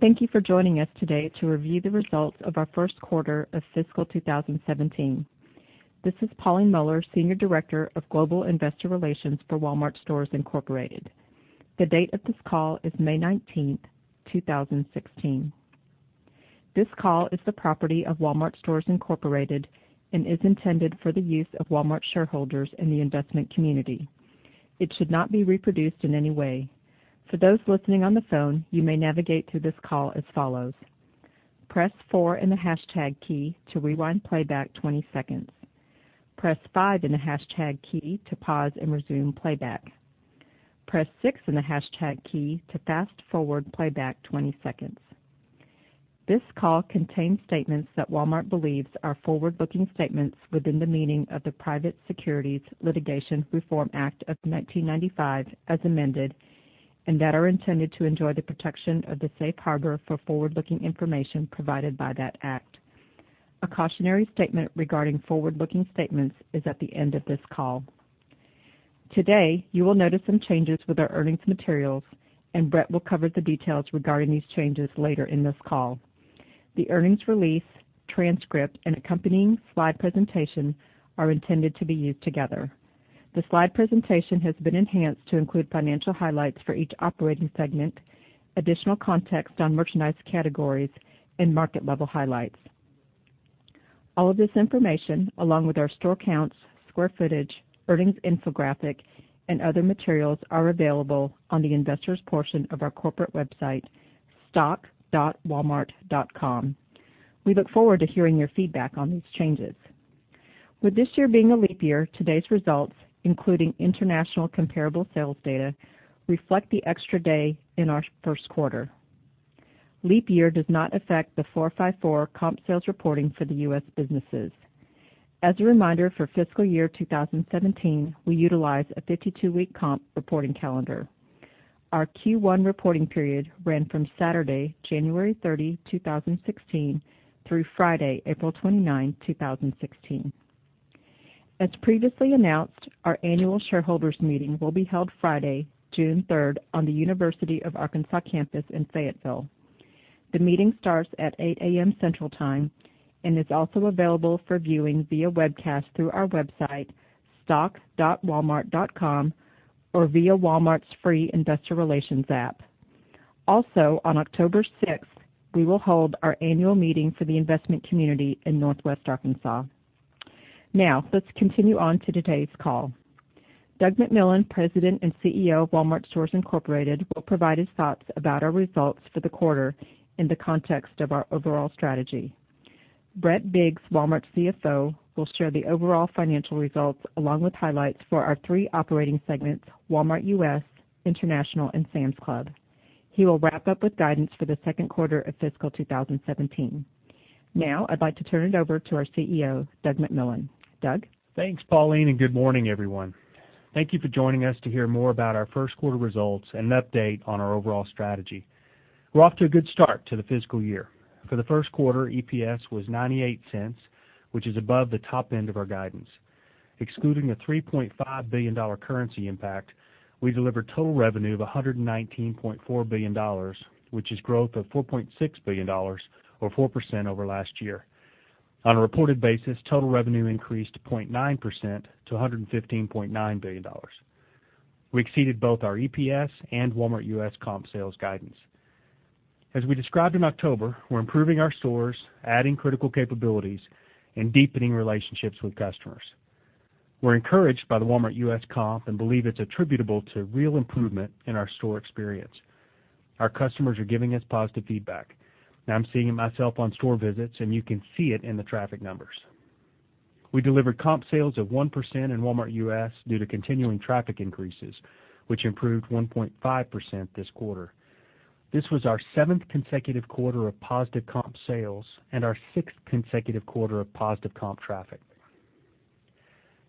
Thank you for joining us today to review the results of our first quarter of fiscal 2017. This is Pauline Mohler, Senior Director of Global Investor Relations for Walmart Stores, Inc. The date of this call is May 19, 2016. This call is the property of WalmartStores, Inc. and is intended for the use of Walmart shareholders and the investment community. It should not be reproduced in any way. For those listening on the phone, you may navigate through this call as follows: press four and the hashtag key to rewind playback 20 seconds. Press five and the hashtag key to pause and resume playback. Press six and the hashtag key to fast-forward playback 20 seconds. This call contains statements that Walmart believes are forward-looking statements within the meaning of the Private Securities Litigation Reform Act of 1995, as amended, and that are intended to enjoy the protection of the safe harbor for forward-looking information provided by that act. A cautionary statement regarding forward-looking statements is at the end of this call. Today, you will notice some changes with our earnings materials. Brett will cover the details regarding these changes later in this call. The earnings release transcript and accompanying slide presentation are intended to be used together. The slide presentation has been enhanced to include financial highlights for each operating segment, additional context on merchandise categories, and market level highlights. All of this information, along with our store counts, square footage, earnings infographic, and other materials, are available on the investors' portion of our corporate website, stock.walmart.com. We look forward to hearing your feedback on these changes. With this year being a leap year, today's results, including international comparable sales data, reflect the extra day in our first quarter. Leap year does not affect the 4-5-4 comp sales reporting for the U.S. businesses. As a reminder, for fiscal year 2017, we utilize a 52-week comp reporting calendar. Our Q1 reporting period ran from Saturday, January 30, 2016 through Friday, April 29, 2016. As previously announced, our annual shareholders meeting will be held Friday, June 3, on the University of Arkansas campus in Fayetteville. The meeting starts at 8:00 A.M. Central Time and is also available for viewing via webcast through our website, stock.walmart.com, or via Walmart's free investor relations app. Also, on October 6, we will hold our annual meeting for the investment community in Northwest Arkansas. Let's continue on to today's call. Doug McMillon, President and CEO of Walmart Stores, Inc., will provide his thoughts about our results for the quarter in the context of our overall strategy. Brett Biggs, Walmart's CFO, will share the overall financial results along with highlights for our three operating segments, Walmart U.S., International, and Sam's Club. He will wrap up with guidance for the second quarter of fiscal 2017. I'd like to turn it over to our CEO, Doug McMillon. Doug? Thanks, Pauline, and good morning, everyone. Thank you for joining us to hear more about our first quarter results and an update on our overall strategy. We're off to a good start to the fiscal year. For the first quarter, EPS was $0.98, which is above the top end of our guidance. Excluding a $3.5 billion currency impact, we delivered total revenue of $119.4 billion, which is growth of $4.6 billion, or 4% over last year. On a reported basis, total revenue increased 0.9% to $115.9 billion. We exceeded both our EPS and Walmart U.S. comp sales guidance. As we described in October, we're improving our stores, adding critical capabilities, and deepening relationships with customers. We're encouraged by the Walmart U.S. comp and believe it's attributable to real improvement in our store experience. Our customers are giving us positive feedback. I'm seeing it myself on store visits, and you can see it in the traffic numbers. We delivered comp sales of 1% in Walmart U.S. due to continuing traffic increases, which improved 1.5% this quarter. This was our seventh consecutive quarter of positive comp sales and our sixth consecutive quarter of positive comp traffic.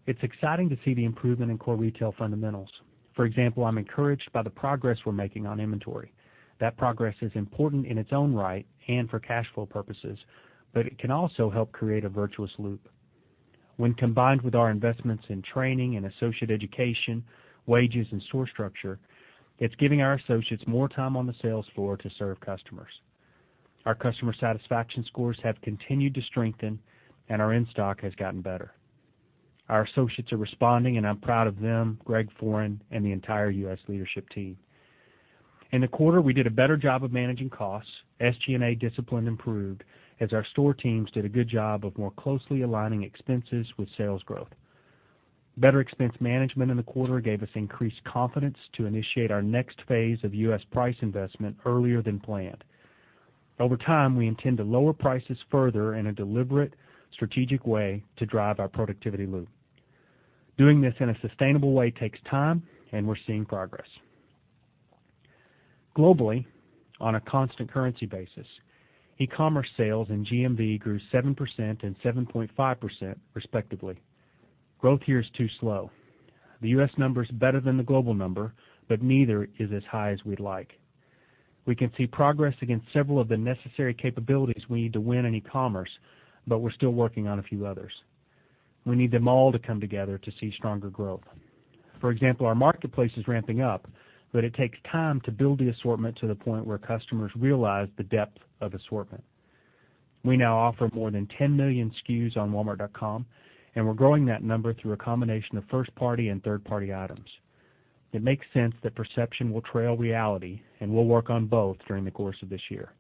It's exciting to see the improvement in core retail fundamentals. For example, I'm encouraged by the progress we're making on inventory. That progress is important in its own right and for cash flow purposes, but it can also help create a virtuous loop. When combined with our investments in training and associate education, wages, and store structure, it's giving our associates more time on the sales floor to serve customers. Our customer satisfaction scores have continued to strengthen, and our in-stock has gotten better. Our associates are responding, and I'm proud of them, Greg Foran, and the entire U.S. leadership team. In the quarter, we did a better job of managing costs. SG&A discipline improved as our store teams did a good job of more closely aligning expenses with sales growth. Better expense management in the quarter gave us increased confidence to initiate our next phase of U.S. price investment earlier than planned. Over time, we intend to lower prices further in a deliberate, strategic way to drive our productivity loop. Doing this in a sustainable way takes time, and we're seeing progress. Globally, on a constant currency basis, e-commerce sales and GMV grew 7% and 7.5% respectively. Growth here is too slow. The U.S. number's better than the global number, but neither is as high as we'd like. We can see progress against several of the necessary capabilities we need to win in e-commerce, but we're still working on a few others. We need them all to come together to see stronger growth. For example, our marketplace is ramping up, but it takes time to build the assortment to the point where customers realize the depth of assortment. We now offer more than 10 million SKU on walmart.com, and we're growing that number through a combination of first-party and third-party items. It makes sense that perception will trail reality, and we'll work on both during the course of this year.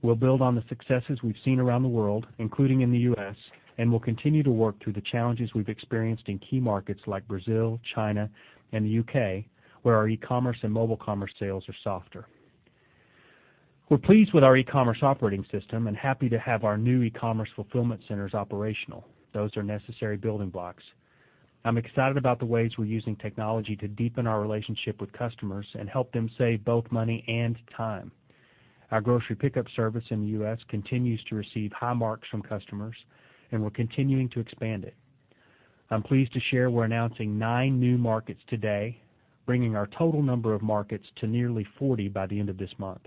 We'll build on the successes we've seen around the world, including in the U.S., and we'll continue to work through the challenges we've experienced in key markets like Brazil, China, and the U.K., where our e-commerce and mobile commerce sales are softer. We're pleased with our e-commerce operating system and happy to have our new e-commerce fulfillment centers operational. Those are necessary building blocks. I'm excited about the ways we're using technology to deepen our relationship with customers and help them save both money and time. Our grocery pickup service in the U.S. continues to receive high marks from customers, and we're continuing to expand it. I'm pleased to share we're announcing 9 new markets today, bringing our total number of markets to nearly 40 by the end of this month.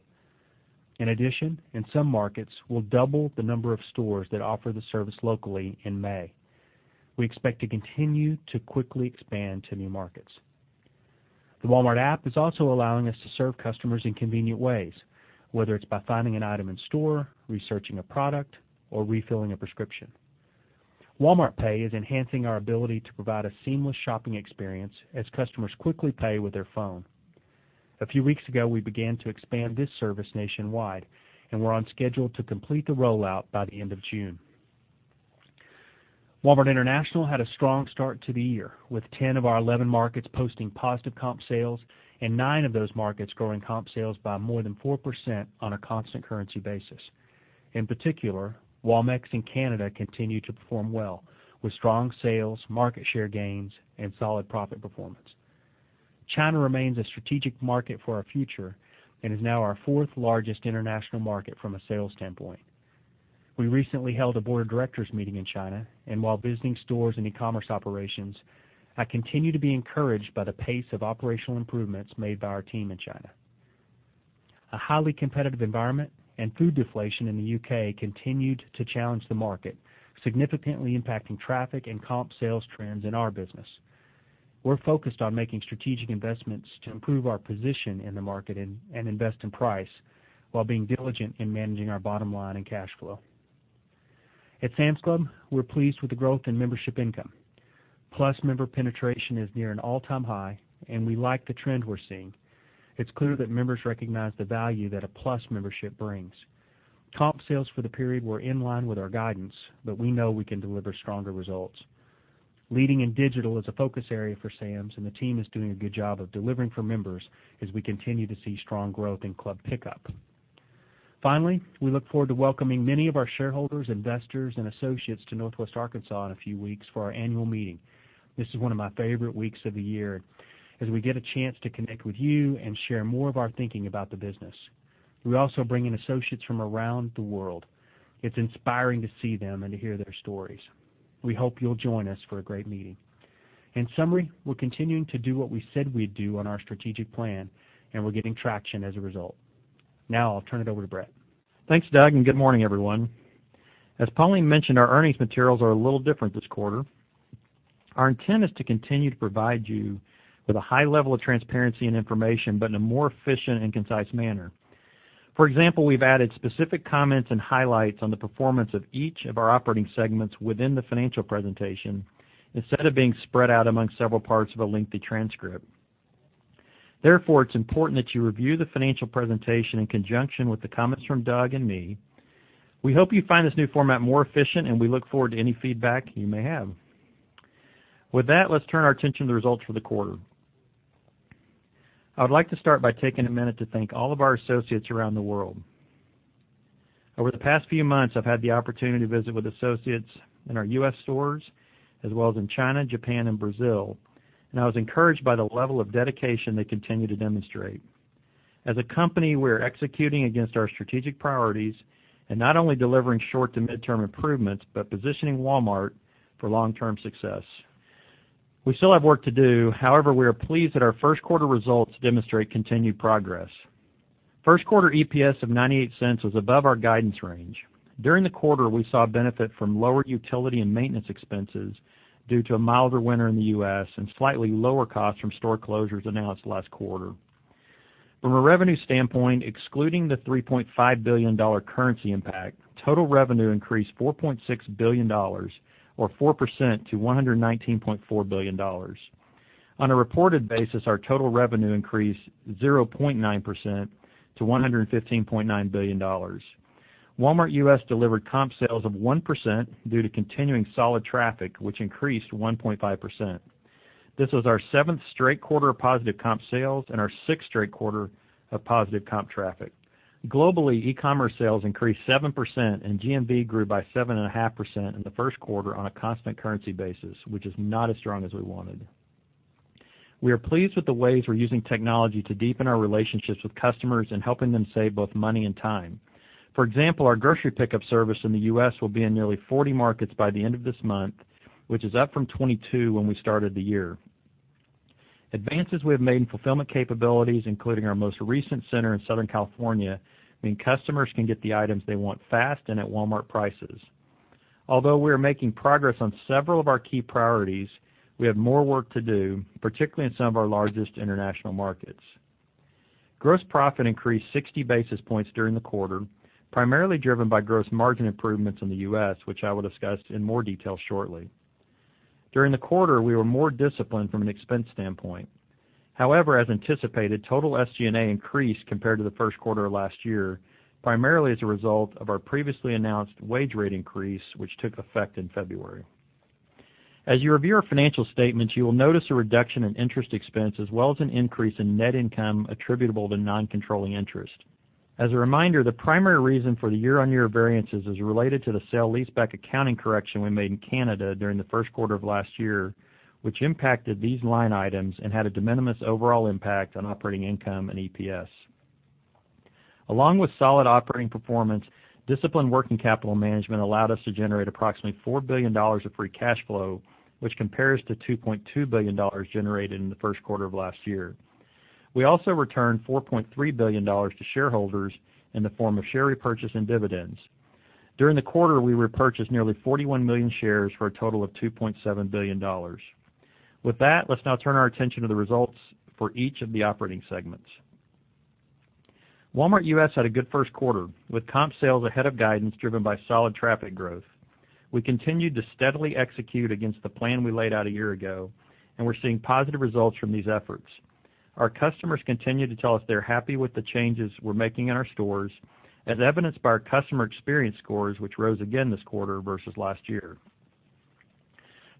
In addition, in some markets, we'll double the number of stores that offer the service locally in May. We expect to continue to quickly expand to new markets. The Walmart app is also allowing us to serve customers in convenient ways, whether it's by finding an item in store, researching a product, or refilling a prescription. Walmart Pay is enhancing our ability to provide a seamless shopping experience as customers quickly pay with their phone. A few weeks ago, we began to expand this service nationwide, and we're on schedule to complete the rollout by the end of June. Walmart International had a strong start to the year, with 10 of our 11 markets posting positive comp sales and 9 of those markets growing comp sales by more than 4% on a constant currency basis. In particular, Walmex and Canada continue to perform well with strong sales, market share gains, and solid profit performance. China remains a strategic market for our future and is now our fourth-largest international market from a sales standpoint. We recently held a board of directors meeting in China, and while visiting stores and e-commerce operations, I continue to be encouraged by the pace of operational improvements made by our team in China. A highly competitive environment and food deflation in the U.K. continued to challenge the market, significantly impacting traffic and comp sales trends in our business. We're focused on making strategic investments to improve our position in the market and invest in price while being diligent in managing our bottom line and cash flow. At Sam's Club, we're pleased with the growth in membership income. Plus member penetration is near an all-time high, and we like the trend we're seeing. It's clear that members recognize the value that a Plus membership brings. Comp sales for the period were in line with our guidance. We know we can deliver stronger results. Leading in digital is a focus area for Sam's, and the team is doing a good job of delivering for members as we continue to see strong growth in Club Pickup. Finally, we look forward to welcoming many of our shareholders, investors, and associates to Northwest Arkansas in a few weeks for our annual meeting. This is one of my favorite weeks of the year as we get a chance to connect with you and share more of our thinking about the business. We also bring in associates from around the world. It's inspiring to see them and to hear their stories. We hope you'll join us for a great meeting. In summary, we're continuing to do what we said we'd do on our strategic plan, and we're getting traction as a result. Now, I'll turn it over to Brett. Thanks, Doug, and good morning, everyone. As Pauline mentioned, our earnings materials are a little different this quarter. Our intent is to continue to provide you with a high level of transparency and information, but in a more efficient and concise manner. For example, we've added specific comments and highlights on the performance of each of our operating segments within the financial presentation instead of being spread out among several parts of a lengthy transcript. Therefore, it's important that you review the financial presentation in conjunction with the comments from Doug and me. We hope you find this new format more efficient, and we look forward to any feedback you may have. With that, let's turn our attention to the results for the quarter. I would like to start by taking a minute to thank all of our associates around the world. Over the past few months, I've had the opportunity to visit with associates in our U.S. stores as well as in China, Japan, and Brazil, and I was encouraged by the level of dedication they continue to demonstrate. As a company, we are executing against our strategic priorities and not only delivering short- to mid-term improvements but positioning Walmart for long-term success. We still have work to do. However, we are pleased that our first quarter results demonstrate continued progress. First quarter EPS of $0.98 was above our guidance range. During the quarter, we saw a benefit from lower utility and maintenance expenses due to a milder winter in the U.S. and slightly lower costs from store closures announced last quarter. From a revenue standpoint, excluding the $3.5 billion currency impact, total revenue increased $4.6 billion, or 4%, to $119.4 billion. On a reported basis, our total revenue increased 0.9% to $115.9 billion. Walmart U.S. delivered comp sales of 1% due to continuing solid traffic, which increased 1.5%. This was our seventh straight quarter of positive comp sales and our sixth straight quarter of positive comp traffic. Globally, e-commerce sales increased 7%, and GMV grew by 7.5% in the first quarter on a constant currency basis, which is not as strong as we wanted. We are pleased with the ways we're using technology to deepen our relationships with customers and helping them save both money and time. For example, our grocery pickup service in the U.S. will be in nearly 40 markets by the end of this month, which is up from 22 when we started the year. Advances we have made in fulfillment capabilities, including our most recent center in Southern California, mean customers can get the items they want fast and at Walmart prices. Although we are making progress on several of our key priorities, we have more work to do, particularly in some of our largest international markets. Gross profit increased 60 basis points during the quarter, primarily driven by gross margin improvements in the U.S., which I will discuss in more detail shortly. During the quarter, we were more disciplined from an expense standpoint. However, as anticipated, total SG&A increased compared to the first quarter of last year, primarily as a result of our previously announced wage rate increase, which took effect in February. As you review our financial statements, you will notice a reduction in interest expense as well as an increase in net income attributable to non-controlling interest. As a reminder, the primary reason for the year-over-year variances is related to the sale leaseback accounting correction we made in Canada during the first quarter of last year, which impacted these line items and had a de minimis overall impact on operating income and EPS. Along with solid operating performance, disciplined working capital management allowed us to generate approximately $4 billion of free cash flow, which compares to $2.2 billion generated in the first quarter of last year. We also returned $4.3 billion to shareholders in the form of share repurchase and dividends. During the quarter, we repurchased nearly 41 million shares for a total of $2.7 billion. With that, let's now turn our attention to the results for each of the operating segments. Walmart U.S. had a good first quarter, with comp sales ahead of guidance driven by solid traffic growth. We continued to steadily execute against the plan we laid out a year ago. We're seeing positive results from these efforts. Our customers continue to tell us they're happy with the changes we're making in our stores, as evidenced by our customer experience scores, which rose again this quarter versus last year.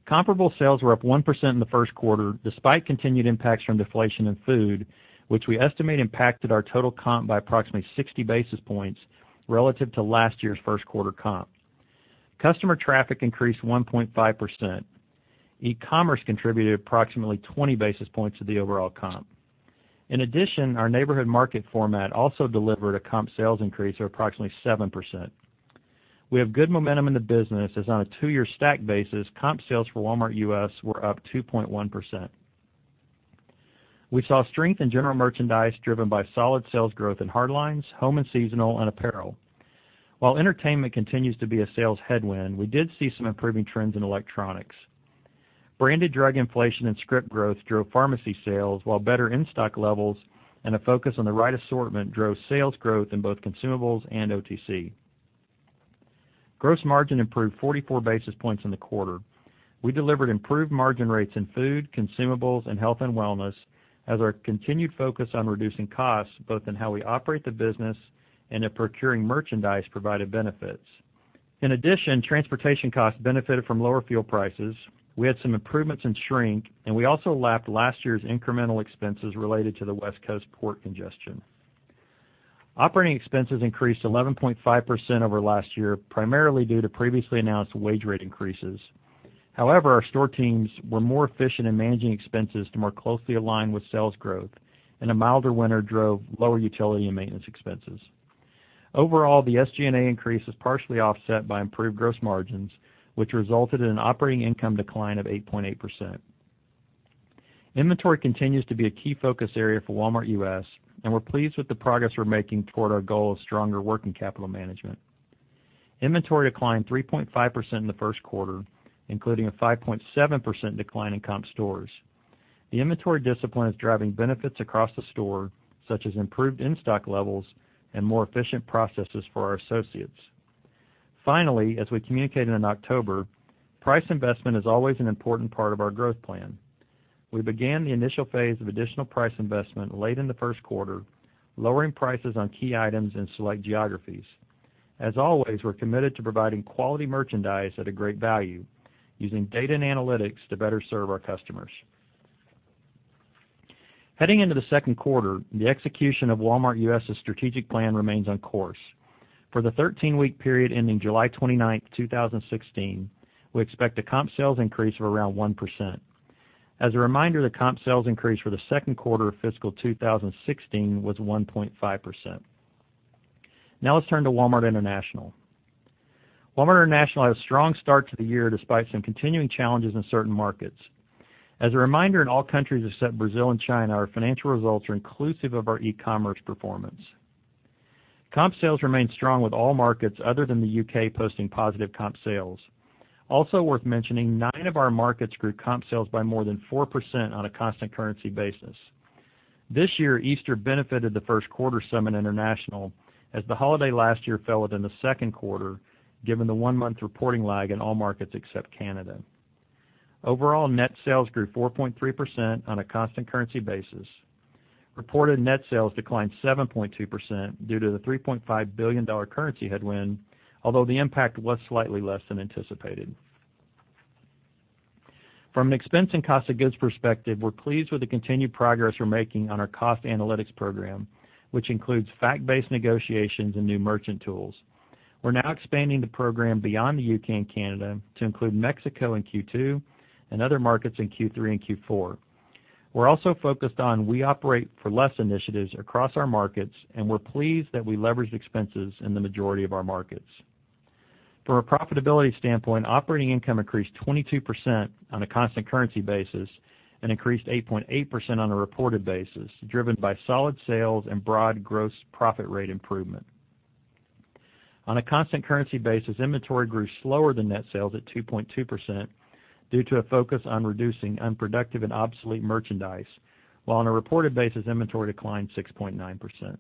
Comparable sales were up 1% in the first quarter, despite continued impacts from deflation in food, which we estimate impacted our total comp by approximately 60 basis points relative to last year's first quarter comp. Customer traffic increased 1.5%. E-commerce contributed approximately 20 basis points of the overall comp. In addition, our neighborhood market format also delivered a comp sales increase of approximately 7%. We have good momentum in the business as on a two-year stack basis, comp sales for Walmart U.S. were up 2.1%. We saw strength in general merchandise driven by solid sales growth in hard lines, home and seasonal, and apparel. While entertainment continues to be a sales headwind, I did see some improving trends in electronics. Branded drug inflation and script growth drove pharmacy sales, while better in-stock levels and a focus on the right assortment drove sales growth in both consumables and OTC. Gross margin improved 44 basis points in the quarter. We delivered improved margin rates in food, consumables, and health and wellness as our continued focus on reducing costs, both in how we operate the business and in procuring merchandise, provided benefits. In addition, transportation costs benefited from lower fuel prices, we had some improvements in shrink, and we also lapped last year's incremental expenses related to the West Coast port congestion. Operating expenses increased 11.5% over last year, primarily due to previously announced wage rate increases. Our store teams were more efficient in managing expenses to more closely align with sales growth. A milder winter drove lower utility and maintenance expenses. Overall, the SG&A increase is partially offset by improved gross margins, which resulted in an operating income decline of 8.8%. Inventory continues to be a key focus area for Walmart U.S., and we're pleased with the progress we're making toward our goal of stronger working capital management. Inventory declined 3.5% in the first quarter, including a 5.7% decline in comp stores. The inventory discipline is driving benefits across the store, such as improved in-stock levels and more efficient processes for our associates. As we communicated in October, price investment is always an important part of our growth plan. We began the initial phase of additional price investment late in the first quarter, lowering prices on key items in select geographies. As always, we're committed to providing quality merchandise at a great value using data and analytics to better serve our customers. Heading into the second quarter, the execution of Walmart U.S.'s strategic plan remains on course. For the 13-week period ending July 29th, 2016, we expect a comp sales increase of around 1%. As a reminder, the comp sales increase for the second quarter of fiscal 2016 was 1.5%. Now let's turn to Walmart International. Walmart International had a strong start to the year despite some continuing challenges in certain markets. As a reminder, in all countries except Brazil and China, our financial results are inclusive of our e-commerce performance. Comp sales remained strong with all markets other than the U.K. posting positive comp sales. Also worth mentioning, nine of our markets grew comp sales by more than 4% on a constant currency basis. This year, Easter benefited the first quarter some in international as the holiday last year fell within the second quarter, given the one-month reporting lag in all markets except Canada. Overall net sales grew 4.3% on a constant currency basis. Reported net sales declined 7.2% due to the $3.5 billion currency headwind, although the impact was slightly less than anticipated. From an expense and cost of goods perspective, we're pleased with the continued progress we're making on our cost analytics program, which includes fact-based negotiations and new merchant tools. We're now expanding the program beyond the U.K. and Canada to include Mexico in Q2 and other markets in Q3 and Q4. We're also focused on We Operate for Less initiatives across our markets, and we're pleased that we leveraged expenses in the majority of our markets. From a profitability standpoint, operating income increased 22% on a constant currency basis and increased 8.8% on a reported basis, driven by solid sales and broad gross profit rate improvement. On a constant currency basis, inventory grew slower than net sales at 2.2% due to a focus on reducing unproductive and obsolete merchandise, while on a reported basis, inventory declined 6.9%.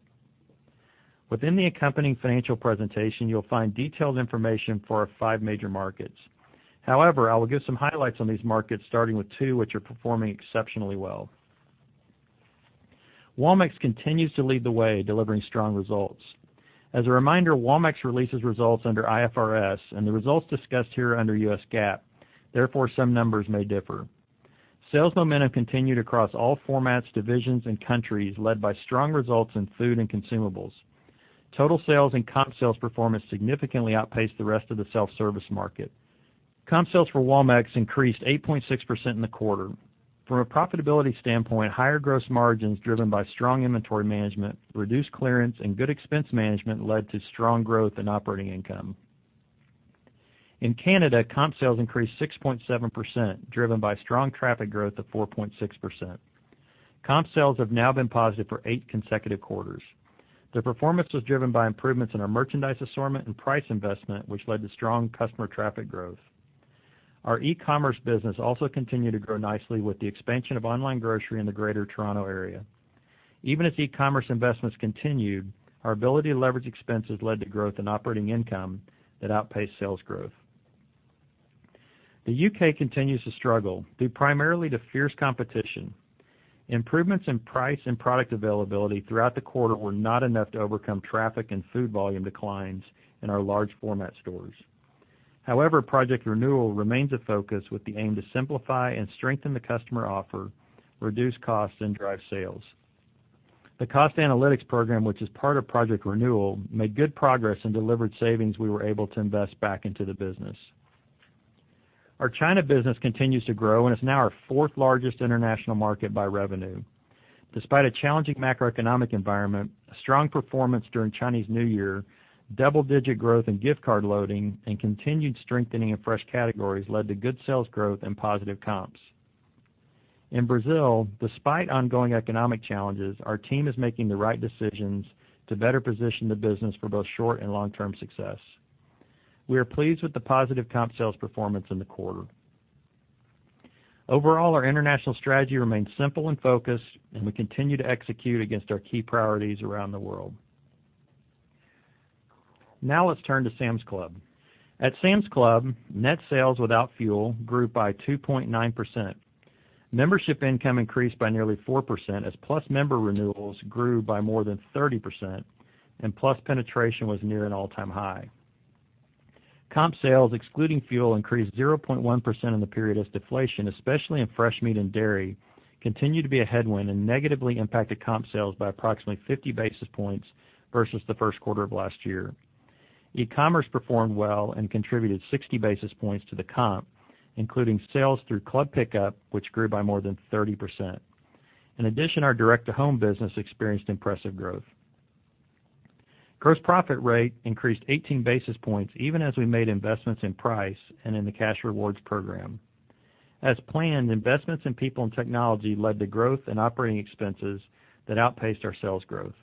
Within the accompanying financial presentation, you'll find detailed information for our five major markets. However, I will give some highlights on these markets, starting with two which are performing exceptionally well. Walmex continues to lead the way, delivering strong results. As a reminder, Walmex releases results under IFRS and the results discussed here are under U.S. GAAP, therefore, some numbers may differ. Sales momentum continued across all formats, divisions, and countries, led by strong results in food and consumables. Total sales and comp sales performance significantly outpaced the rest of the self-service market. Comp sales for Walmex increased 8.6% in the quarter. From a profitability standpoint, higher gross margins driven by strong inventory management, reduced clearance, and good expense management led to strong growth in operating income. In Canada, comp sales increased 6.7%, driven by strong traffic growth of 4.6%. Comp sales have now been positive for eight consecutive quarters. The performance was driven by improvements in our merchandise assortment and price investment, which led to strong customer traffic growth. Our e-commerce business also continued to grow nicely with the expansion of online grocery in the Greater Toronto Area. Even as e-commerce investments continued, our ability to leverage expenses led to growth in operating income that outpaced sales growth. The U.K. continues to struggle, due primarily to fierce competition. Improvements in price and product availability throughout the quarter were not enough to overcome traffic and food volume declines in our large format stores. However, Project Renewal remains a focus with the aim to simplify and strengthen the customer offer, reduce costs, and drive sales. The cost analytics program, which is part of Project Renewal, made good progress and delivered savings we were able to invest back into the business. Our China business continues to grow and is now our fourth largest international market by revenue. Despite a challenging macroeconomic environment, strong performance during Chinese New Year, double-digit growth in gift card loading, and continued strengthening of fresh categories led to good sales growth and positive comps. In Brazil, despite ongoing economic challenges, our team is making the right decisions to better position the business for both short and long-term success. We are pleased with the positive comp sales performance in the quarter. Overall, our international strategy remains simple and focused, and we continue to execute against our key priorities around the world. Now let's turn to Sam's Club. At Sam's Club, net sales without fuel grew by 2.9%. Membership income increased by nearly 4% as Plus member renewals grew by more than 30%, and Plus penetration was near an all-time high. Comp sales, excluding fuel, increased 0.1% in the period as deflation, especially in fresh meat and dairy, continued to be a headwind and negatively impacted comp sales by approximately 50 basis points versus the first quarter of last year. E-commerce performed well and contributed 60 basis points to the comp, including sales through Club Pickup, which grew by more than 30%. In addition, our direct-to-home business experienced impressive growth. Gross profit rate increased 18 basis points even as we made investments in price and in the cash rewards program. As planned, investments in people and technology led to growth in operating expenses that outpaced our sales growth.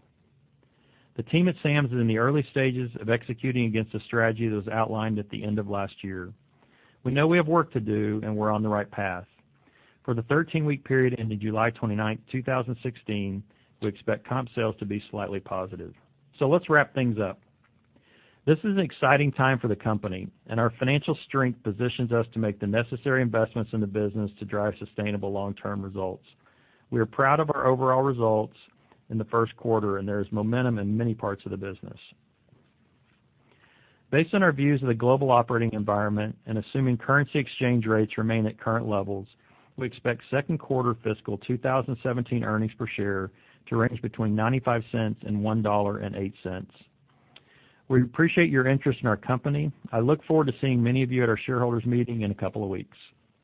The team at Sam's is in the early stages of executing against a strategy that was outlined at the end of last year. For the 13-week period ending July 29th, 2016, we expect comp sales to be slightly positive. Let's wrap things up. This is an exciting time for the company, and our financial strength positions us to make the necessary investments in the business to drive sustainable long-term results. We are proud of our overall results in the first quarter, and there is momentum in many parts of the business. Based on our views of the global operating environment and assuming currency exchange rates remain at current levels, we expect second quarter fiscal 2017 earnings per share to range between $0.95 and $1.08. We appreciate your interest in our company. I look forward to seeing many of you at our shareholders' meeting in a couple of weeks.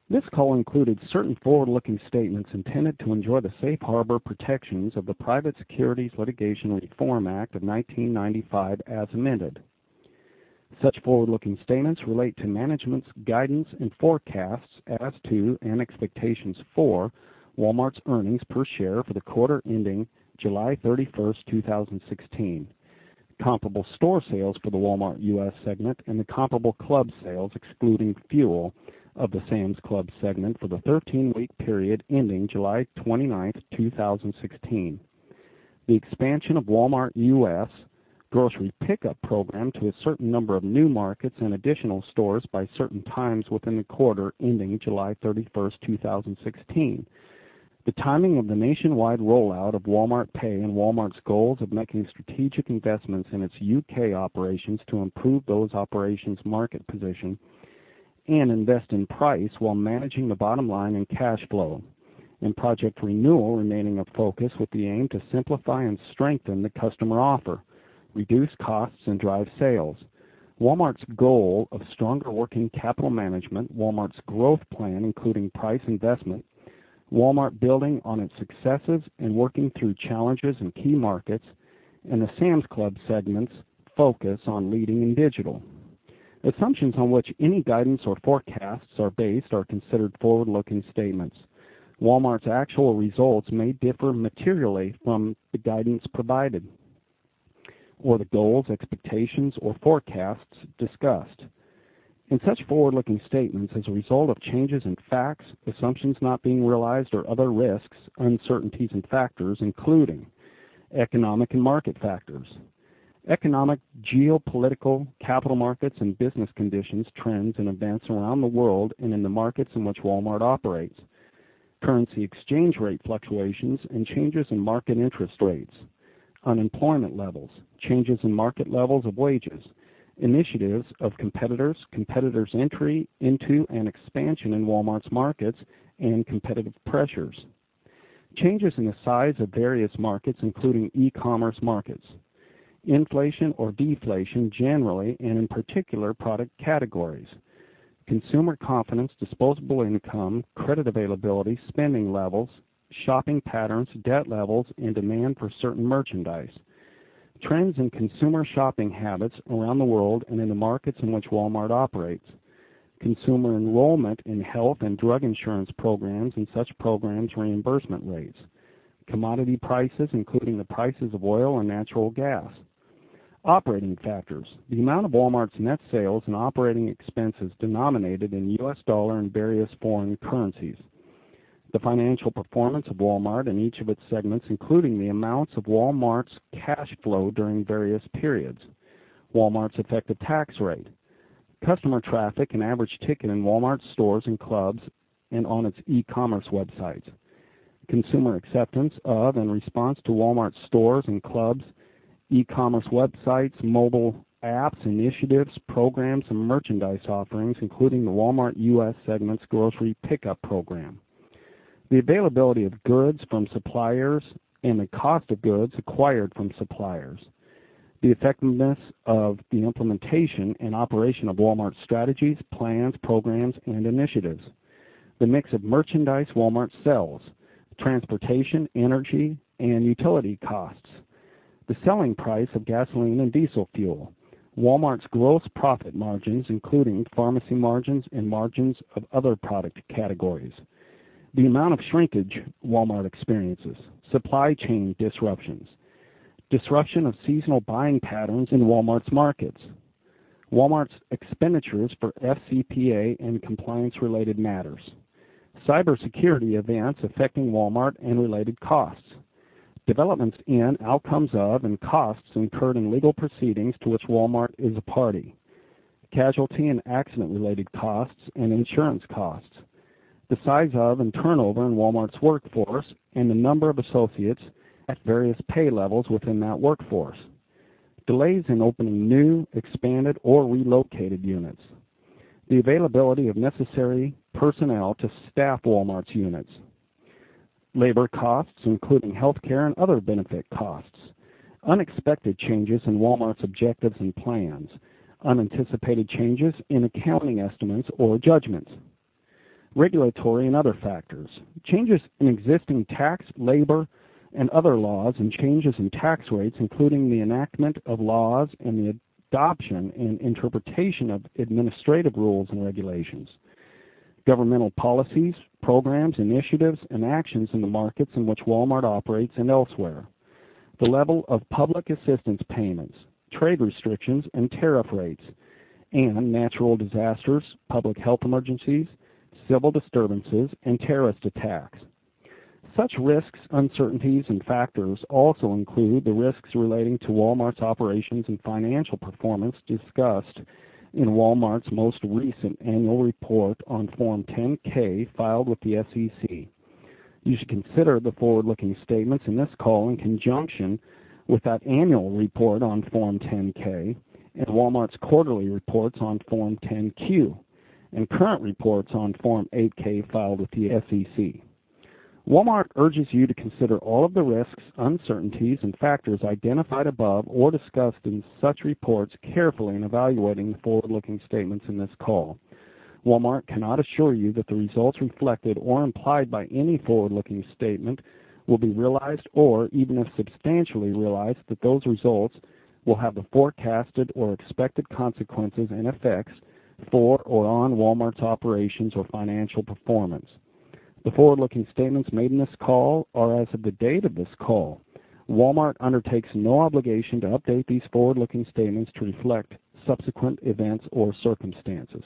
This call included certain forward-looking statements intended to enjoy the safe harbor protections of the Private Securities Litigation Reform Act of 1995 as amended. Such forward-looking statements relate to management's guidance and forecasts as to, and expectations for, Walmart's earnings per share for the quarter ending July 31st, 2016. Comparable store sales for the Walmart U.S. segment and the comparable club sales, excluding fuel, of the Sam's Club segment for the 13-week period ending July 29th, 2016. The expansion of Walmart U.S.' grocery pickup program to a certain number of new markets and additional stores by certain times within the quarter ending July 31st, 2016. The timing of the nationwide rollout of Walmart Pay and Walmart's goals of making strategic investments in its U.K. operations to improve those operations' market position and invest in price while managing the bottom line and cash flow. Project Renewal remaining a focus with the aim to simplify and strengthen the customer offer, reduce costs, and drive sales. Walmart's goal of stronger working capital management, Walmart's growth plan, including price investment. Walmart building on its successes and working through challenges in key markets, the Sam's Club segment's focus on leading in digital. Assumptions on which any guidance or forecasts are based are considered forward-looking statements. Walmart's actual results may differ materially from the guidance provided or the goals, expectations, or forecasts discussed. Such forward-looking statements, as a result of changes in facts, assumptions not being realized or other risks, uncertainties and factors including economic and market factors. Economic, geopolitical, capital markets and business conditions, trends and events around the world and in the markets in which Walmart operates. Currency exchange rate fluctuations and changes in market interest rates. Unemployment levels, changes in market levels of wages, initiatives of competitors' entry into and expansion in Walmart's markets and competitive pressures. Changes in the size of various markets, including e-commerce markets, inflation or deflation generally and in particular product categories. Consumer confidence, disposable income, credit availability, spending levels, shopping patterns, debt levels, and demand for certain merchandise. Trends in consumer shopping habits around the world and in the markets in which Walmart operates. Consumer enrollment in health and drug insurance programs and such programs' reimbursement rates. Commodity prices, including the prices of oil and natural gas. Operating factors. The amount of Walmart's net sales and operating expenses denominated in U.S. dollar and various foreign currencies. The financial performance of Walmart and each of its segments, including the amounts of Walmart's cash flow during various periods. Walmart's effective tax rate. Customer traffic and average ticket in Walmart stores and clubs and on its e-commerce websites. Consumer acceptance of and response to Walmart stores and clubs, e-commerce websites, mobile apps, initiatives, programs, and merchandise offerings, including the Walmart U.S. segment's grocery pickup program. The availability of goods from suppliers and the cost of goods acquired from suppliers. The effectiveness of the implementation and operation of Walmart's strategies, plans, programs and initiatives. The mix of merchandise Walmart sells. Transportation, energy, and utility costs. The selling price of gasoline and diesel fuel. Walmart's gross profit margins, including pharmacy margins and margins of other product categories. The amount of shrinkage Walmart experiences. Supply chain disruptions. Disruption of seasonal buying patterns in Walmart's markets. Walmart's expenditures for FCPA and compliance-related matters. Cybersecurity events affecting Walmart and related costs. Developments in, outcomes of, and costs incurred in legal proceedings to which Walmart is a party. Casualty and accident-related costs and insurance costs. The size of and turnover in Walmart's workforce and the number of associates at various pay levels within that workforce. Delays in opening new, expanded, or relocated units. The availability of necessary personnel to staff Walmart's units. Labor costs, including healthcare and other benefit costs. Unexpected changes in Walmart's objectives and plans. Unanticipated changes in accounting estimates or judgments. Regulatory and other factors. Changes in existing tax, labor, and other laws and changes in tax rates, including the enactment of laws and the adoption and interpretation of administrative rules and regulations. Governmental policies, programs, initiatives, and actions in the markets in which Walmart operates and elsewhere. The level of public assistance payments, trade restrictions and tariff rates, and natural disasters, public health emergencies, civil disturbances, and terrorist attacks. Such risks, uncertainties, and factors also include the risks relating to Walmart's operations and financial performance discussed in Walmart's most recent annual report on Form 10-K filed with the SEC. You should consider the forward-looking statements in this call in conjunction with that annual report on Form 10-K and Walmart's quarterly reports on Form 10-Q and current reports on Form 8-K filed with the SEC. Walmart urges you to consider all of the risks, uncertainties, and factors identified above or discussed in such reports carefully in evaluating the forward-looking statements in this call. Walmart cannot assure you that the results reflected or implied by any forward-looking statement will be realized, or, even if substantially realized, that those results will have the forecasted or expected consequences and effects for or on Walmart's operations or financial performance. The forward-looking statements made in this call are as of the date of this call. Walmart undertakes no obligation to update these forward-looking statements to reflect subsequent events or circumstances.